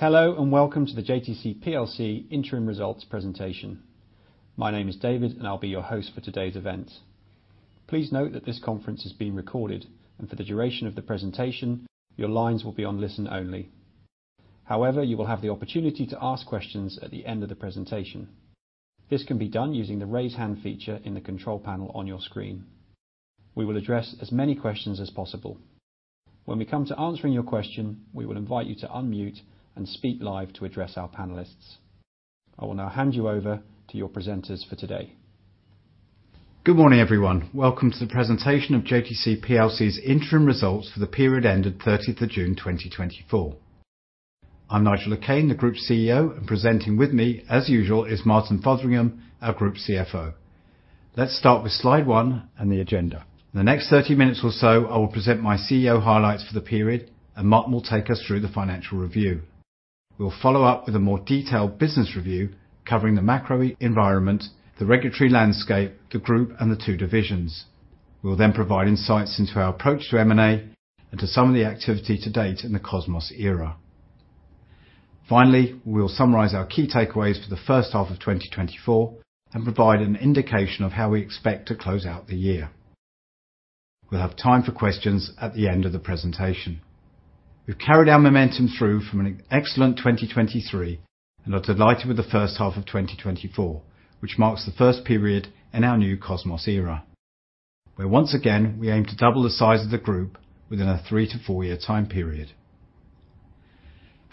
Hello, and welcome to the JTC PLC interim results presentation. My name is David, and I'll be your host for today's event. Please note that this conference is being recorded, and for the duration of the presentation, your lines will be on listen only. However, you will have the opportunity to ask questions at the end of the presentation. This can be done using the Raise Hand feature in the control panel on your screen. We will address as many questions as possible. When we come to answering your question, we will invite you to unmute and speak live to address our panelists. I will now hand you over to your presenters for today. Good morning, everyone. Welcome to the presentation of JTC PLC's interim results for the period ended June 30, 2024. I'm Nigel Le Quesne, the Group CEO, and presenting with me, as usual, is Martin Fotheringham, our Group CFO. Let's start with slide one and the agenda. In the next 30 minutes or so, I will present my CEO highlights for the period, and Martin will take us through the financial review. We will follow up with a more detailed business review covering the macro environment, the regulatory landscape, the group, and the two divisions. We will then provide insights into our approach to M&A and to some of the activity to date in the Cosmos Era. Finally, we will summarize our key takeaways for the first half of 2024 and provide an indication of how we expect to close out the year. We'll have time for questions at the end of the presentation. We've carried our momentum through from an excellent 2023 and are delighted with the first half of 2024, which marks the first period in our new Cosmos Era, where once again, we aim to double the size of the group within a three- to four-year time period.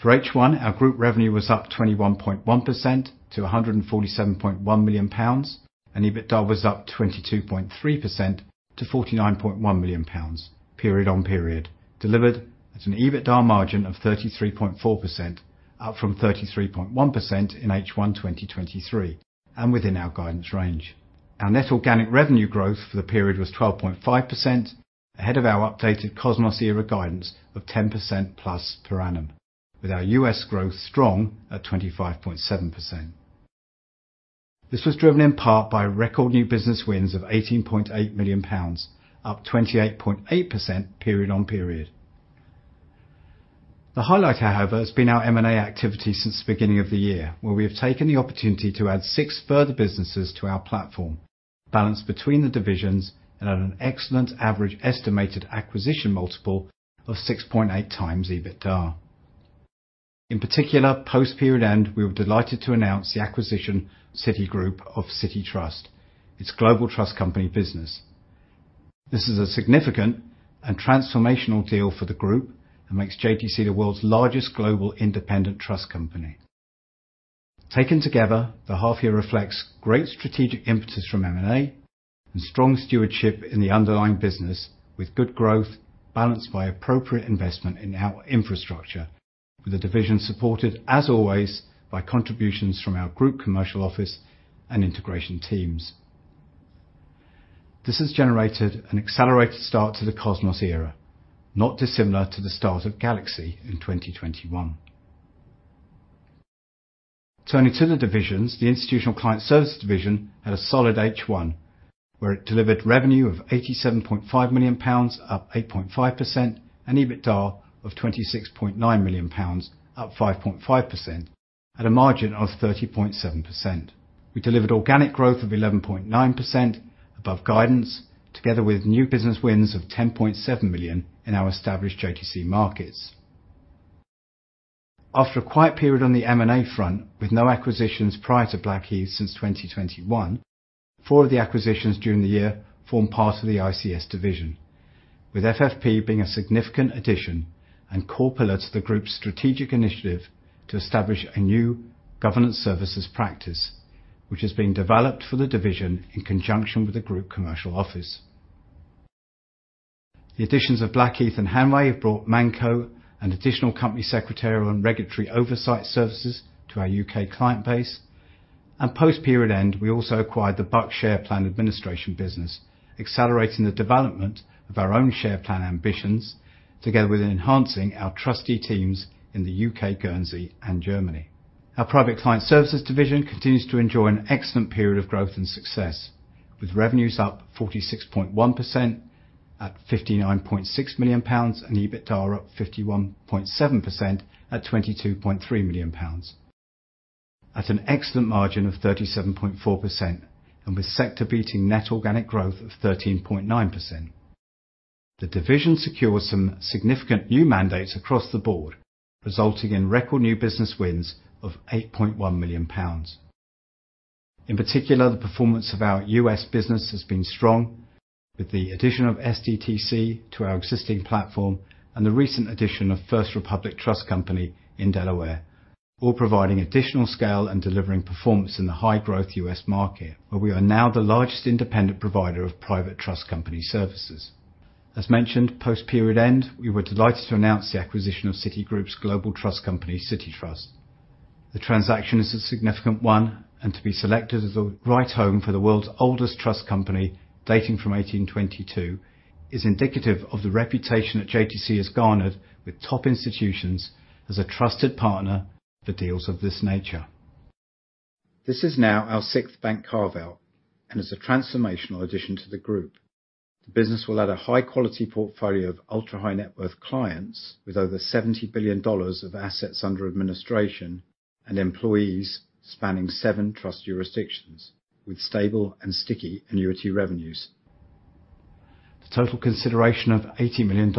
For H1, our group revenue was up 21.1% to 147.1 million pounds, and EBITDA was up 22.3% to 49.1 million pounds, period-on-period, delivered at an EBITDA margin of 33.4%, up from 33.1% in H1 2023, and within our guidance range. Our net organic revenue growth for the period was 12.5%, ahead of our updated Cosmos Era guidance of 10% plus per annum, with our U.S. growth strong at 25.7%. This was driven in part by record new business wins of 18.8 million pounds, up 28.8% period-on-period. The highlight, however, has been our M&A activity since the beginning of the year, where we have taken the opportunity to add six further businesses to our platform, balanced between the divisions and at an excellent average estimated acquisition multiple of 6.8x EBITDA. In particular, post-period end, we were delighted to announce the acquisition from Citigroup of Citi Trust, its global trust company business. This is a significant and transformational deal for the group and makes JTC the world's largest global independent trust company. Taken together, the half year reflects great strategic impetus from M&A and strong stewardship in the underlying business, with good growth balanced by appropriate investment in our infrastructure, with the division supported, as always, by contributions from our Group Commercial Office and integration teams. This has generated an accelerated start to the Cosmos Era, not dissimilar to the start of Galaxy in 2021. Turning to the divisions, the Institutional Client Services division had a solid H1, where it delivered revenue of GBP 87.5 million, up 8.5%, and EBITDA of GBP 26.9 million, up 5.5%, at a margin of 30.7%. We delivered organic growth of 11.9% above guidance, together with new business wins of 10.7 million in our established JTC markets. After a quiet period on the M&A front, with no acquisitions prior to Blackheath since 2021, four of the acquisitions during the year formed part of the ICS division, with FFP being a significant addition and core pillar to the group's strategic initiative to establish a new governance services practice, which is being developed for the division in conjunction with the Group Commercial Office. The additions of Blackheath and Hanway have brought ManCo and additional company secretarial and regulatory oversight services to our U.K. client base. Post-period end, we also acquired the Buck Share Plan administration business, accelerating the development of our own share plan ambitions, together with enhancing our trustee teams in the U.K., Guernsey, and Germany. Our Private Client Services division continues to enjoy an excellent period of growth and success, with revenues up 46.1% at GBP 59.6 million and EBITDA up 51.7% at GBP 22.3 million, at an excellent margin of 37.4% and with sector-beating net organic growth of 13.9%. The division secures some significant new mandates across the board, resulting in record new business wins of 8.1 million pounds. In particular, the performance of our U.S. business has been strong, with the addition of SDTC to our existing platform and the recent addition of First Republic Trust Company in Delaware, all providing additional scale and delivering performance in the high-growth U.S. market, where we are now the largest independent provider of private trust company services. As mentioned, post-period end, we were delighted to announce the acquisition of Citigroup's global trust company, Citi Trust. The transaction is a significant one, and to be selected as the right home for the world's oldest trust company, dating from 1822, is indicative of the reputation that JTC has garnered with top institutions as a trusted partner for deals of this nature. This is now our sixth bank carve-out and is a transformational addition to the group. The business will add a high-quality portfolio of ultra-high net worth clients with over $70 billion of assets under administration and employees spanning seven trust jurisdictions, with stable and sticky annuity revenues. The total consideration of $80 million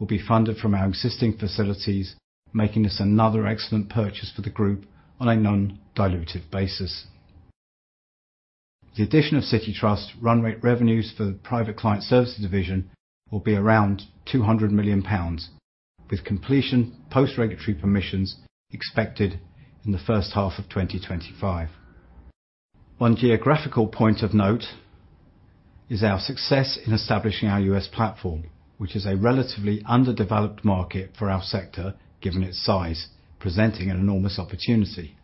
will be funded from our existing facilities, making this another excellent purchase for the group on a non-dilutive basis. The addition of Citi Trust run rate revenues for the Private Client Services division will be around 200 million pounds, with completion post-regulatory permissions expected in the first half of 2025. One geographical point of note is our success in establishing our U.S. platform, which is a relatively underdeveloped market for our sector, given its size, presenting an enormous opportunity.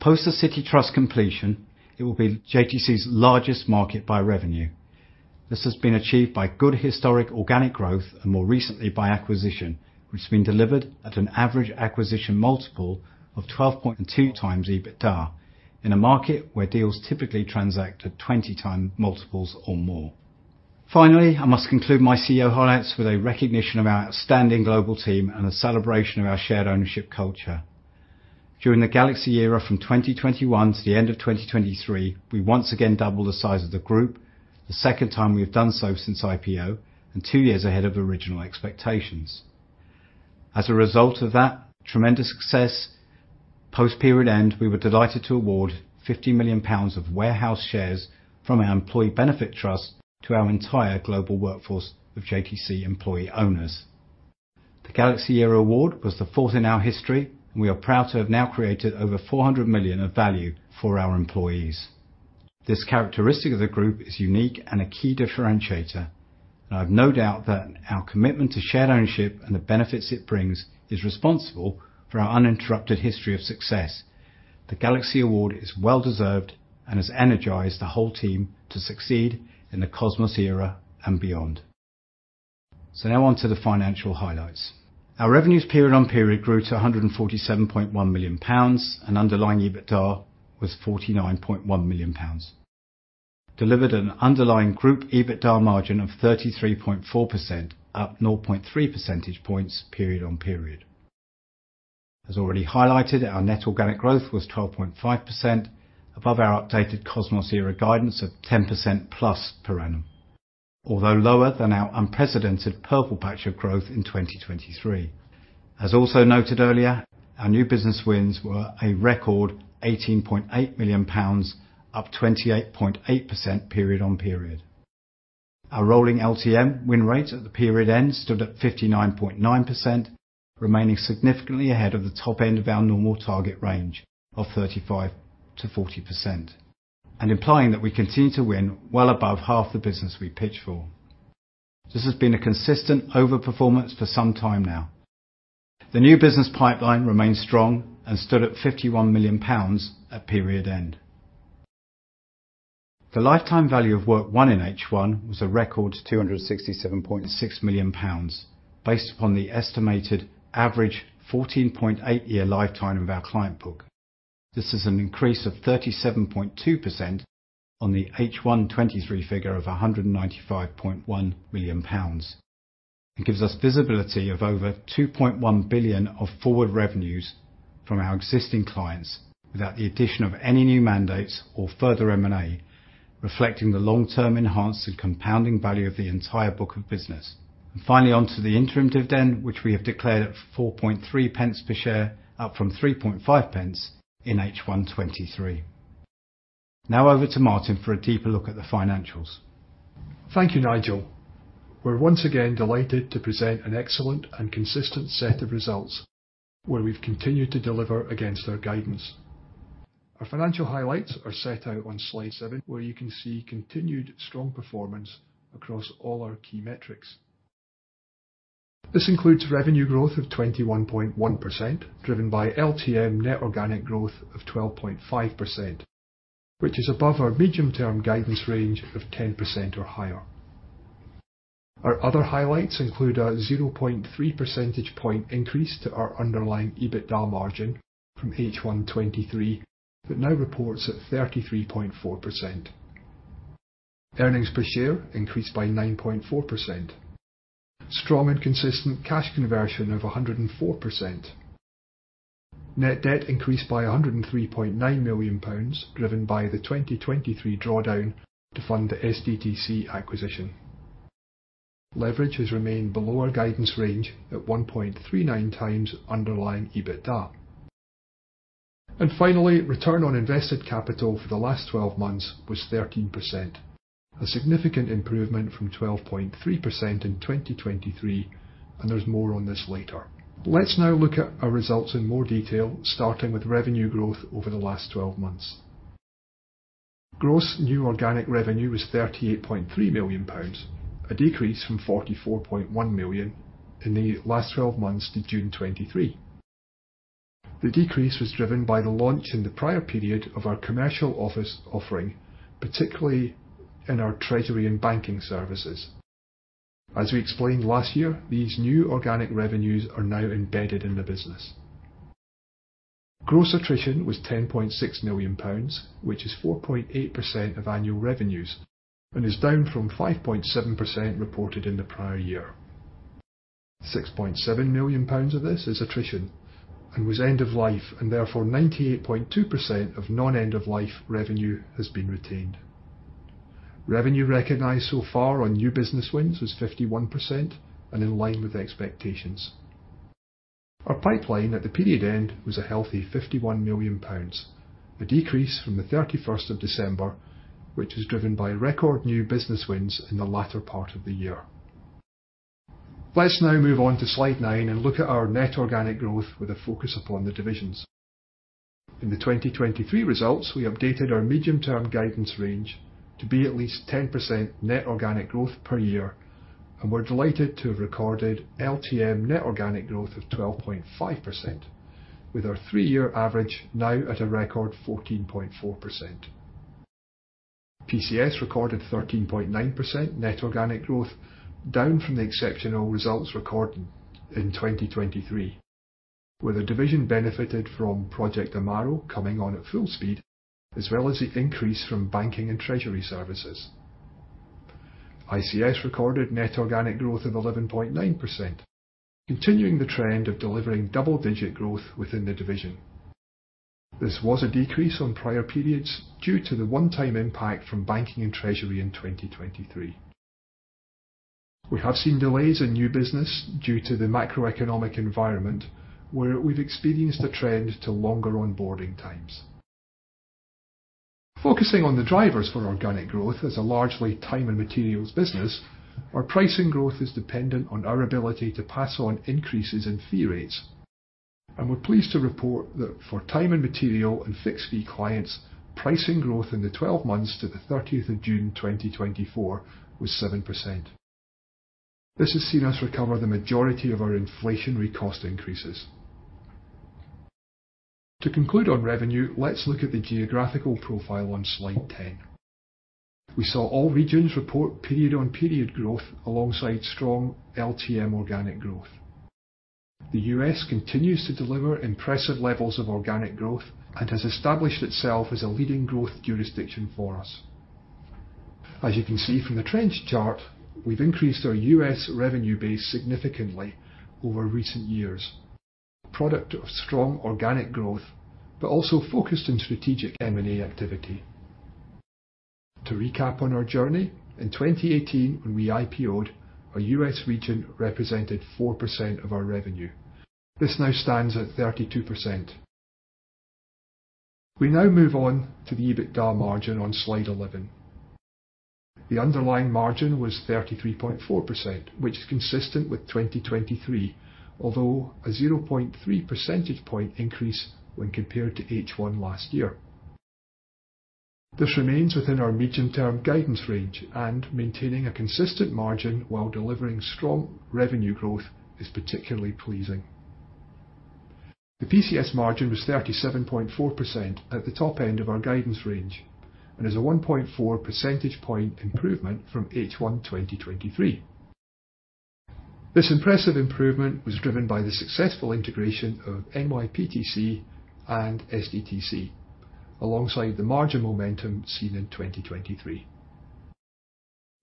Post the Citi Trust completion, it will be JTC's largest market by revenue. This has been achieved by good historic organic growth and more recently by acquisition, which has been delivered at an average acquisition multiple of 12.2x EBITDA, in a market where deals typically transact at 20x multiples or more. Finally, I must conclude my CEO highlights with a recognition of our outstanding global team and a celebration of our shared ownership culture. During the Galaxy Era, from 2021 to the end of 2023, we once again doubled the size of the group, the second time we have done so since IPO and two years ahead of original expectations. As a result of that tremendous success, post-period end, we were delighted to award 50 million pounds of warehouse shares from our employee benefit trust to our entire global workforce of JTC employee owners. The Galaxy Era Award was the fourth in our history, and we are proud to have now created over 400 million of value for our employees. This characteristic of the group is unique and a key differentiator, and I have no doubt that our commitment to shared ownership and the benefits it brings is responsible for our uninterrupted history of success. The Galaxy Era is well-deserved and has energized the whole team to succeed in the Cosmos Era and beyond. So now on to the financial highlights. Our revenues period-on-period grew to 147.1 million pounds, and underlying EBITDA was 49.1 million pounds, delivered an underlying group EBITDA margin of 33.4%, up 0.3 percentage points period-on-period. As already highlighted, our net organic growth was 12.5%, above our updated Cosmos Era guidance of 10% plus per annum. Although lower than our unprecedented purple patch of growth in 2023. As also noted earlier, our new business wins were a record 18.8 million pounds, up 28.8% period-on-period. Our rolling LTM win rate at the period end stood at 59.9%, remaining significantly ahead of the top end of our normal target range of 35%-40%, and implying that we continue to win well above half the business we pitch for. This has been a consistent overperformance for some time now. The new business pipeline remains strong and stood at 51 million pounds at period-end. The lifetime value of work won in H1 was a record 267.6 million pounds, based upon the estimated average 14.8-year lifetime of our client book. This is an increase of 37.2% on the H1 2023 figure of 195.1 million pounds, and gives us visibility of over 2.1 billion of forward revenues from our existing clients without the addition of any new mandates or further M&A, reflecting the long-term enhanced and compounding value of the entire book of business. And finally, on to the interim dividend, which we have declared at 0.043 per share, up from 0.035 in H1 2023. Now over to Martin for a deeper look at the financials. Thank you, Nigel. We're once again delighted to present an excellent and consistent set of results, where we've continued to deliver against our guidance. Our financial highlights are set out on slide seven, where you can see continued strong performance across all our key metrics. This includes revenue growth of 21.1%, driven by LTM net organic growth of 12.5%, which is above our medium-term guidance range of 10% or higher. Our other highlights include a 0.3 percentage point increase to our underlying EBITDA margin from H1 2023, that now reports at 33.4%. Earnings per share increased by 9.4%. Strong and consistent cash conversion of 104%. Net debt increased by 103.9 million pounds, driven by the 2023 drawdown to fund the SDTC acquisition. Leverage has remained below our guidance range at 1.39x underlying EBITDA, and finally, return on invested capital for the last 12 months was 13%, a significant improvement from 12.3% in 2023, and there's more on this later. Let's now look at our results in more detail, starting with revenue growth over the last 12 months. Gross new organic revenue was 38.3 million pounds, a decrease from 44.1 million in the last 12 months to June 2023. The decrease was driven by the launch in the prior-period of our Commercial Office offering, particularly in our treasury and banking services. As we explained last year, these new organic revenues are now embedded in the business. Gross attrition was 10.6 million pounds, which is 4.8% of annual revenues and is down from 5.7% reported in the prior-year. 6.7 million pounds of this is attrition and was end of life, and therefore, 98.2% of non-end of life revenue has been retained. Revenue recognized so far on new business wins was 51% and in line with expectations. Our pipeline at the period-end was a healthy 51 million pounds, a decrease from the December 31, which was driven by record new business wins in the latter part of the year. Let's now move on to slide nine and look at our net organic growth with a focus upon the divisions. In the 2023 results, we updated our medium-term guidance range to be at least 10% net organic growth per year, and we're delighted to have recorded LTM net organic growth of 12.5%, with our three-year average now at a record 14.4%. PCS recorded 13.9% net organic growth, down from the exceptional results recorded in 2023, where the division benefited from Project Amaro coming on at full speed, as well as the increase from banking and treasury services. ICS recorded net organic growth of 11.9%, continuing the trend of delivering double-digit growth within the division. This was a decrease on prior-periods due to the one-time impact from banking and treasury in 2023. We have seen delays in new business due to the macroeconomic environment, where we've experienced a trend to longer onboarding times. Focusing on the drivers for organic growth, as a largely time and materials business, our pricing growth is dependent on our ability to pass on increases in fee rates, and we're pleased to report that for time and material and fixed-fee clients, pricing growth in the 12 months to June 30, 2024 was 7%. This has seen us recover the majority of our inflationary cost increases. To conclude on revenue, let's look at the geographical profile on slide 10. We saw all regions report period-on-period growth alongside strong LTM organic growth. The U.S. continues to deliver impressive levels of organic growth and has established itself as a leading growth jurisdiction for us. As you can see from the trends chart, we've increased our U.S. revenue base significantly over recent years, product of strong organic growth, but also focused on strategic M&A activity. To recap on our journey, in 2018, when we IPO'd, our U.S. region represented 4% of our revenue. This now stands at 32%. We now move on to the EBITDA margin on slide 11. The underlying margin was 33.4%, which is consistent with 2023, although a 0.3 percentage point increase when compared to H1 last year. This remains within our medium-term guidance range, and maintaining a consistent margin while delivering strong revenue growth is particularly pleasing. The PCS margin was 37.4% at the top end of our guidance range and is a 1.4 percentage point improvement from H1 2023. This impressive improvement was driven by the successful integration of NYPTC and SDTC, alongside the margin momentum seen in 2023.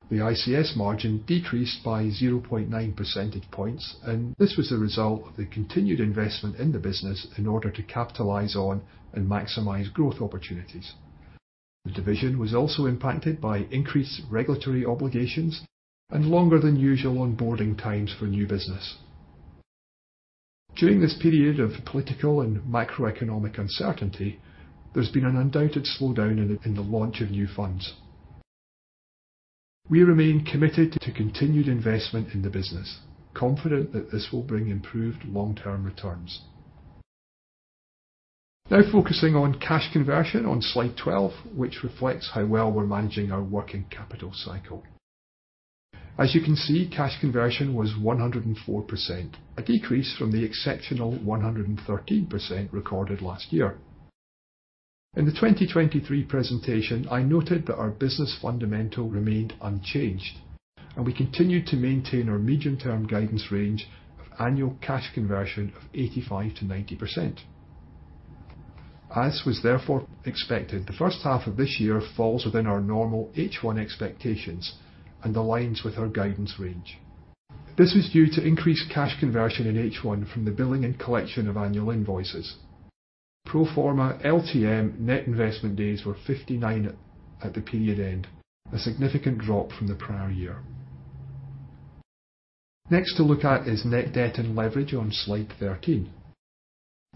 The ICS margin decreased by 0.9 percentage points, and this was the result of the continued investment in the business in order to capitalize on and maximize growth opportunities. The division was also impacted by increased regulatory obligations and longer than usual onboarding times for new business. During this period of political and macroeconomic uncertainty, there's been an undoubted slowdown in the launch of new funds. We remain committed to continued investment in the business, confident that this will bring improved long-term returns. Now focusing on cash conversion on slide 12, which reflects how well we're managing our working capital cycle. As you can see, cash conversion was 104%, a decrease from the exceptional 113% recorded last year. In the 2023 presentation, I noted that our business fundamental remained unchanged, and we continued to maintain our medium-term guidance range of annual cash conversion of 85%-90%. As was therefore expected, the first half of this year falls within our normal H1 expectations and aligns with our guidance range. This was due to increased cash conversion in H1 from the billing and collection of annual invoices. Pro forma LTM net investment days were 59 at the period-end, a significant drop from the prior-year. Next to look at is net debt and leverage on slide 13.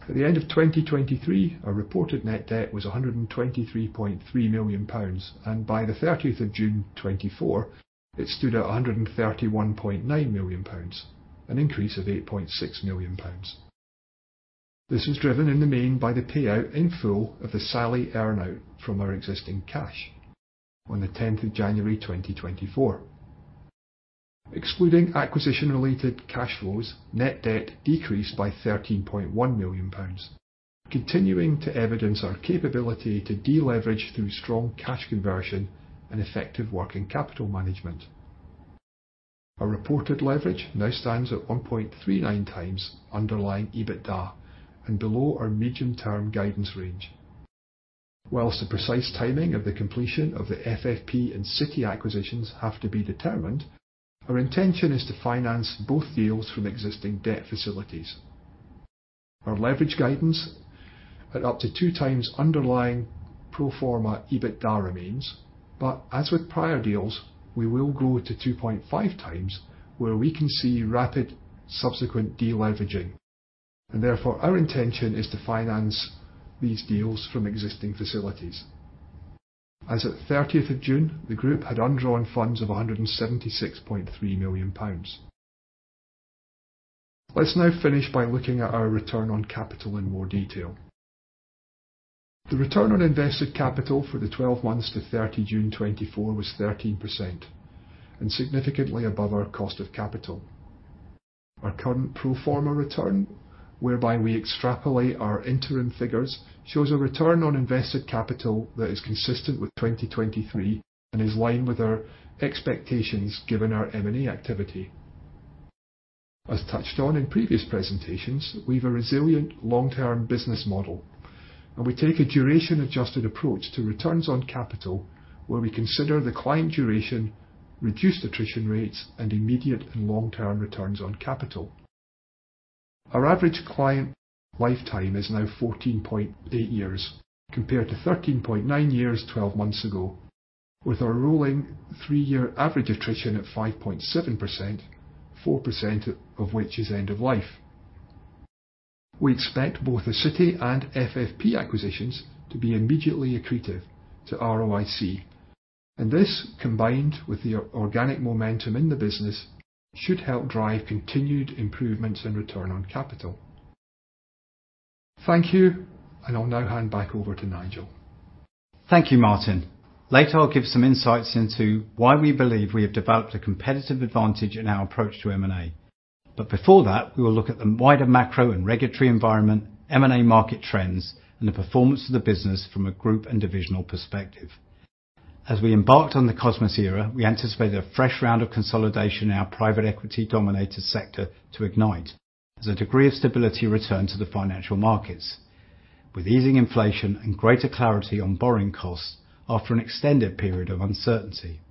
At the end of 2023, our reported net debt was 123.3 million pounds, and by June 30, 2024, it stood at 131.9 million pounds, an increase of 8.6 million pounds. This is driven in the main by the payout in full of the SALI earn-out from our existing cash on the tenth of January, 2024. Excluding acquisition-related cash flows, net debt decreased by 13.1 million pounds, continuing to evidence our capability to deleverage through strong cash conversion and effective working capital management. Our reported leverage now stands at 1.39x underlying EBITDA and below our medium-term guidance range. While the precise timing of the completion of the FFP and Citi acquisitions have to be determined, our intention is to finance both deals from existing debt facilities. Our leverage guidance at up to 2x underlying pro forma EBITDA remains, but as with prior deals, we will go to 2.5x where we can see rapid subsequent deleveraging, and therefore, our intention is to finance these deals from existing facilities. As at June 30, the group had undrawn funds of 176.3 million pounds. Let's now finish by looking at our return on capital in more detail. The return on invested capital for the 12 months to June 30, 2024 was 13%, and significantly above our cost of capital. Our current pro forma return, whereby we extrapolate our interim figures, shows a return on invested capital that is consistent with 2023 and is in line with our expectations, given our M&A activity. As touched on in previous presentations, we've a resilient long-term business model, and we take a duration-adjusted approach to returns on capital, where we consider the client duration, reduced attrition rates, and immediate and long-term returns on capital. Our average client lifetime is now 14.8 years, compared to 13.9 years 12 months ago, with our rolling 3-year average attrition at 5.7%, 4% of which is end of life. We expect both the Citi and FFP acquisitions to be immediately accretive to ROIC, and this, combined with the organic momentum in the business, should help drive continued improvements in return on capital. Thank you, and I'll now hand back over to Nigel. Thank you, Martin. Later, I'll give some insights into why we believe we have developed a competitive advantage in our approach to M&A. But before that, we will look at the wider macro and regulatory environment, M&A market trends, and the performance of the business from a group and divisional perspective. As we embarked on the Cosmos Era, we anticipated a fresh round of consolidation in our private equity-dominated sector to ignite, as a degree of stability returned to the financial markets, with easing inflation and greater clarity on borrowing costs after an extended period of uncertainty.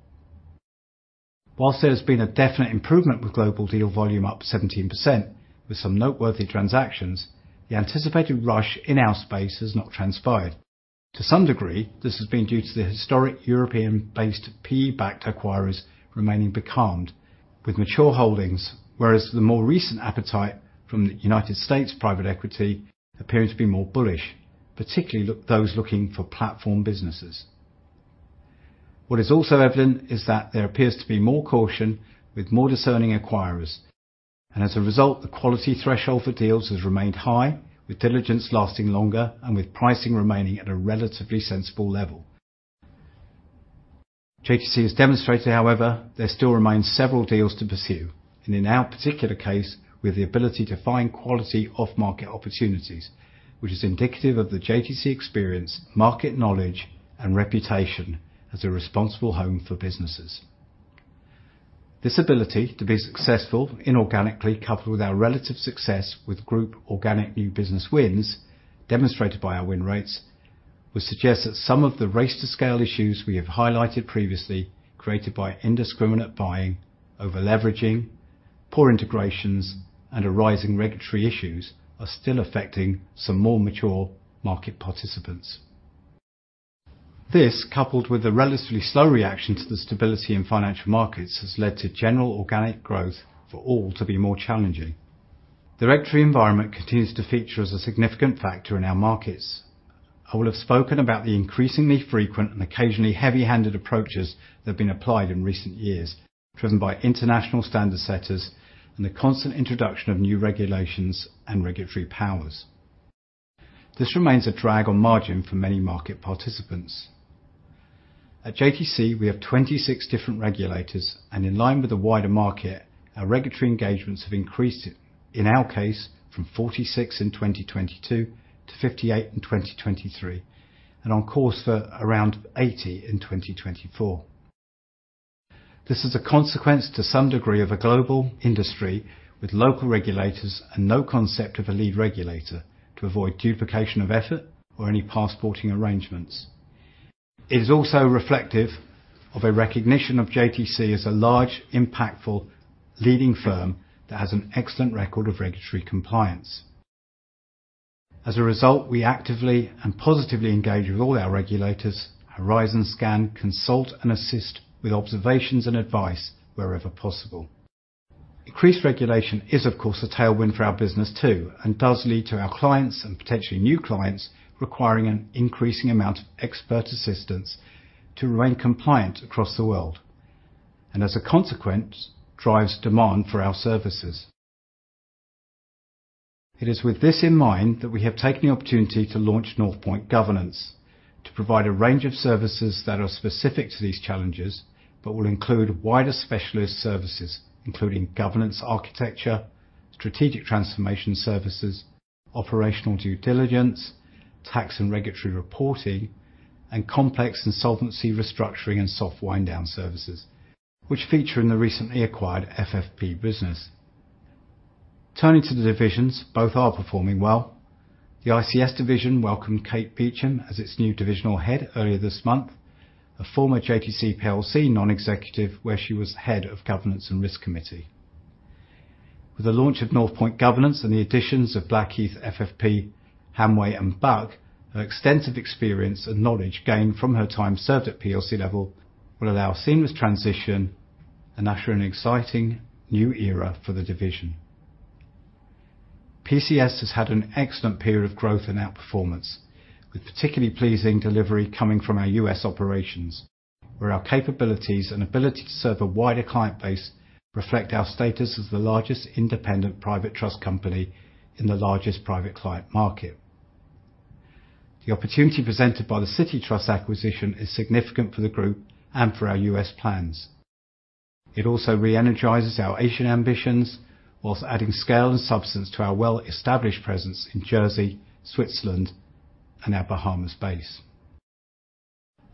While there has been a definite improvement with global deal volume up 17% with some noteworthy transactions, the anticipated rush in our space has not transpired. To some degree, this has been due to the historic European-based PE-backed acquirers remaining becalmed with mature holdings, whereas the more recent appetite from the United States private equity appearing to be more bullish, particularly those looking for platform businesses. What is also evident is that there appears to be more caution with more discerning acquirers, and as a result, the quality threshold for deals has remained high, with diligence lasting longer and with pricing remaining at a relatively sensible level. JTC has demonstrated, however, there still remains several deals to pursue, and in our particular case, with the ability to find quality off-market opportunities, which is indicative of the JTC experience, market knowledge, and reputation as a responsible home for businesses. This ability to be successful inorganically, coupled with our relative success with group organic new business wins, demonstrated by our win rates, would suggest that some of the race-to-scale issues we have highlighted previously, created by indiscriminate buying, over-leveraging, poor integrations, and arising regulatory issues, are still affecting some more mature market participants. This, coupled with a relatively slow reaction to the stability in financial markets, has led to general organic growth for all to be more challenging. The regulatory environment continues to feature as a significant factor in our markets. I will have spoken about the increasingly frequent and occasionally heavy-handed approaches that have been applied in recent years, driven by international standard setters and the constant introduction of new regulations and regulatory powers. This remains a drag on margin for many market participants. At JTC, we have 26 different regulators, and in line with the wider market, our regulatory engagements have increased, in our case, from 46 in 2022 to 58 in 2023, and on course for around 80 in 2024. This is a consequence to some degree of a global industry with local regulators and no concept of a lead regulator to avoid duplication of effort or any passporting arrangements. It is also reflective of a recognition of JTC as a large, impactful leading firm that has an excellent record of regulatory compliance. As a result, we actively and positively engage with all our regulators, horizon scan, consult, and assist with observations and advice wherever possible. Increased regulation is, of course, a tailwind for our business too, and does lead to our clients, and potentially new clients, requiring an increasing amount of expert assistance to remain compliant across the world, and as a consequence, drives demand for our services. It is with this in mind that we have taken the opportunity to launch Northpoint Governance to provide a range of services that are specific to these challenges, but will include wider specialist services, including governance, strategic transformation services, operational due diligence, tax and regulatory reporting, and complex insolvency restructuring and soft wind-down services, which feature in the recently acquired FFP business. Turning to the divisions, both are performing well. The ICS division welcomed Kate Beauchamp as its new divisional head earlier this month, a former JTC PLC non-executive, where she was head of Governance and Risk Committee. With the launch of Northpoint Governance and the additions of Blackheath, FFP, Hanway, and Buck, her extensive experience and knowledge gained from her time served at PLC level will allow a seamless transition and usher an exciting new era for the division. PCS has had an excellent period of growth and outperformance, with particularly pleasing delivery coming from our U.S. operations, where our capabilities and ability to serve a wider client base reflect our status as the largest independent private trust company in the largest private client market. The opportunity presented by the Citi Trust acquisition is significant for the group and for our U.S. plans. It also re-energizes our Asian ambitions, while adding scale and substance to our well-established presence in Jersey, Switzerland, and our Bahamas base.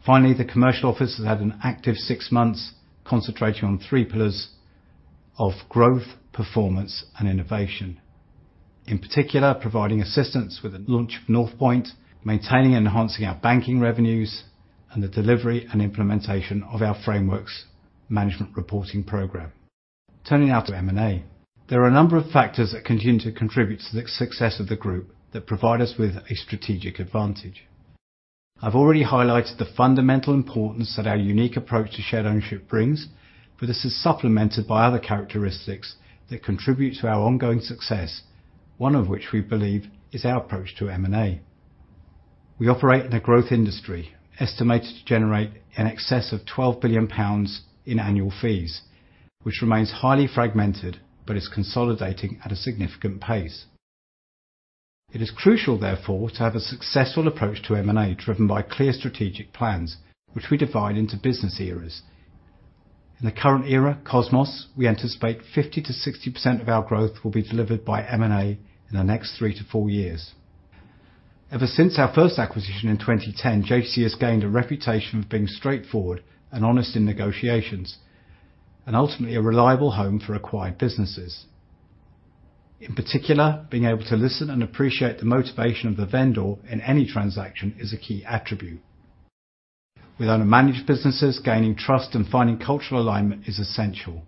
Finally, the Commercial Office has had an active six months, concentrating on three pillars of growth, performance, and innovation. In particular, providing assistance with the launch of Northpoint, maintaining and enhancing our banking revenues, and the delivery and implementation of our frameworks management reporting program. Turning now to M&A. There are a number of factors that continue to contribute to the success of the group that provide us with a strategic advantage. I've already highlighted the fundamental importance that our unique approach to shared ownership brings, but this is supplemented by other characteristics that contribute to our ongoing success, one of which we believe is our approach to M&A. We operate in a growth industry, estimated to generate in excess of 12 billion pounds in annual fees, which remains highly fragmented but is consolidating at a significant pace. It is crucial, therefore, to have a successful approach to M&A, driven by clear strategic plans, which we divide into business eras. In the current era, Cosmos, we anticipate 50%-60% of our growth will be delivered by M&A in the next three to four years. Ever since our first acquisition in 2010, JTC has gained a reputation of being straightforward and honest in negotiations, and ultimately, a reliable home for acquired businesses. In particular, being able to listen and appreciate the motivation of the vendor in any transaction is a key attribute. With owner-managed businesses, gaining trust and finding cultural alignment is essential,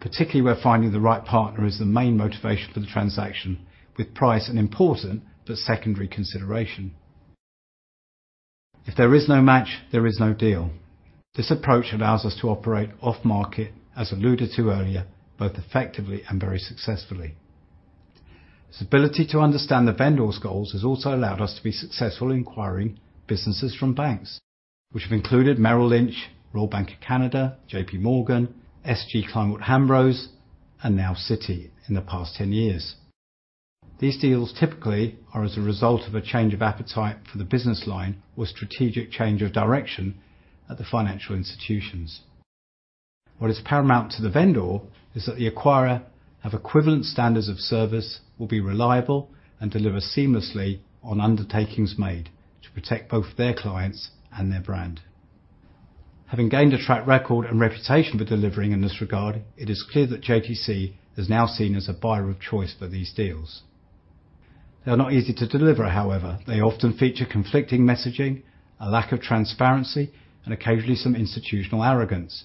particularly where finding the right partner is the main motivation for the transaction, with price an important but secondary consideration. If there is no match, there is no deal. This approach allows us to operate off-market, as alluded to earlier, both effectively and very successfully. This ability to understand the vendor's goals has also allowed us to be successful in acquiring businesses from banks, which have included Merrill Lynch, Royal Bank of Canada, JPMorgan, SG Kleinwort Hambros, and now Citi in the past ten years. These deals typically are as a result of a change of appetite for the business line or strategic change of direction at the financial institutions. What is paramount to the vendor is that the acquirer of equivalent standards of service will be reliable and deliver seamlessly on undertakings made to protect both their clients and their brand. Having gained a track record and reputation for delivering in this regard, it is clear that JTC is now seen as a buyer of choice for these deals. They are not easy to deliver, however. They often feature conflicting messaging, a lack of transparency, and occasionally, some institutional arrogance.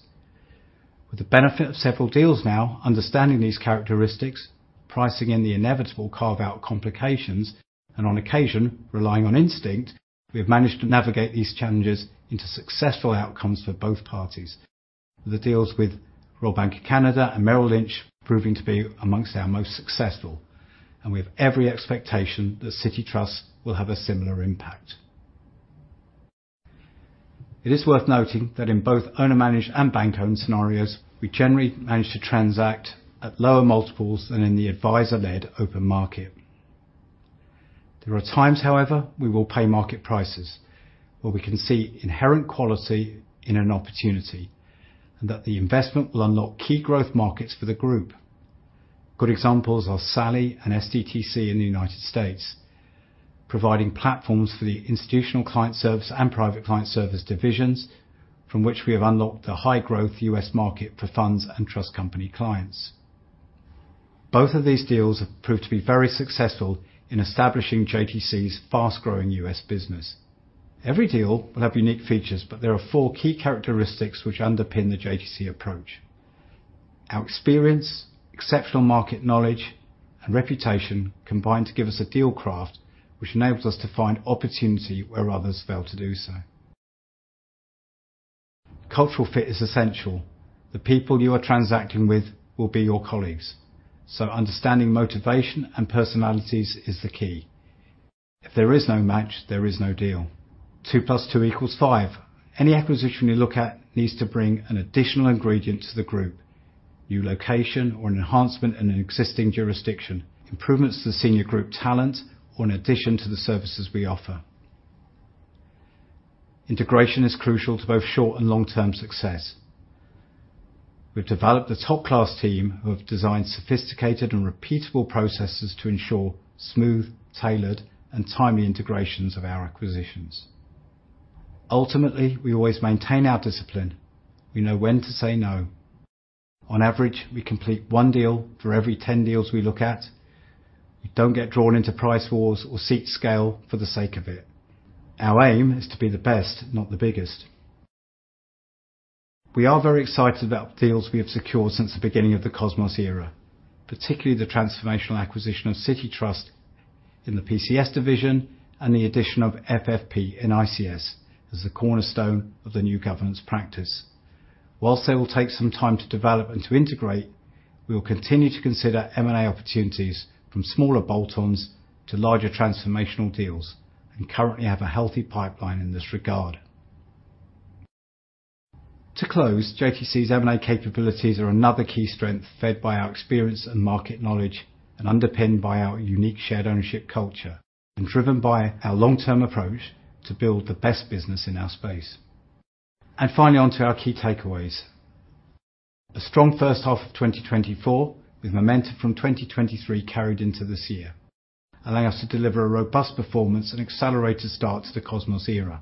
With the benefit of several deals now, understanding these characteristics, pricing in the inevitable carve-out complications, and on occasion, relying on instinct, we have managed to navigate these challenges into successful outcomes for both parties. The deals with Royal Bank of Canada and Merrill Lynch, proving to be among our most successful, and we have every expectation that Citi Trust will have a similar impact. It is worth noting that in both owner-managed and bank-owned scenarios, we generally manage to transact at lower multiples than in the advisor-led open market. There are times, however, we will pay market prices, where we can see inherent quality in an opportunity, and that the investment will unlock key growth markets for the group. Good examples are SALI and SDTC in the United States, providing platforms for the Institutional Client Service and Private Client Service divisions, from which we have unlocked the high-growth U.S. market for funds and trust company clients. Both of these deals have proved to be very successful in establishing JTC's fast-growing U.S. business. Every deal will have unique features, but there are four key characteristics which underpin the JTC approach. Our experience, exceptional market knowledge, and reputation combine to give us a deal craft which enables us to find opportunity where others fail to do so. Cultural fit is essential. The people you are transacting with will be your colleagues, so understanding motivation and personalities is the key. If there is no match, there is no deal. Two plus two equals five. Any acquisition we look at needs to bring an additional ingredient to the group, new location, or an enhancement in an existing jurisdiction, improvements to the senior group talent, or an addition to the services we offer. Integration is crucial to both short and long-term success. We've developed a top-class team who have designed sophisticated and repeatable processes to ensure smooth, tailored, and timely integrations of our acquisitions. Ultimately, we always maintain our discipline. We know when to say no. On average, we complete one deal for every 10 deals we look at. We don't get drawn into price wars or seek scale for the sake of it. Our aim is to be the best, not the biggest. We are very excited about deals we have secured since the beginning of the Cosmos Era, particularly the transformational acquisition of Citi Trust in the PCS division and the addition of FFP in ICS as the cornerstone of the new governance practice. While they will take some time to develop and to integrate, we will continue to consider M&A opportunities from smaller bolt-ons to larger transformational deals, and currently have a healthy pipeline in this regard. To close, JTC's M&A capabilities are another key strength, fed by our experience and market knowledge, and underpinned by our unique shared ownership culture, and driven by our long-term approach to build the best business in our space. Finally, on to our key takeaways. A strong first half of 2024, with momentum from 2023 carried into this year, allowing us to deliver a robust performance and accelerated start to the Cosmos Era,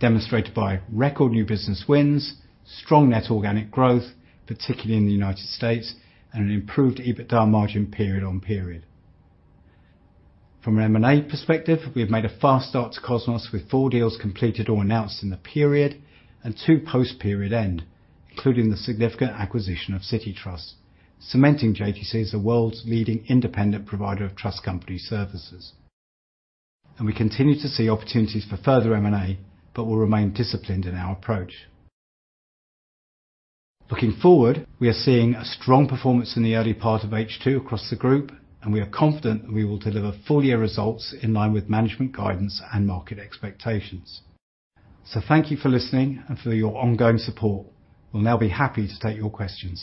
demonstrated by record new business wins, strong net organic growth, particularly in the United States, and an improved EBITDA margin period-on-period. From an M&A perspective, we have made a fast start to Cosmos, with four deals completed or announced in the period, and two post-period end, including the significant acquisition of Citi Trust, cementing JTC as the world's leading independent provider of trust company services. We continue to see opportunities for further M&A, but will remain disciplined in our approach. Looking forward, we are seeing a strong performance in the early part of H2 across the group, and we are confident that we will deliver full year results in line with management guidance and market expectations. So thank you for listening and for your ongoing support. We'll now be happy to take your questions.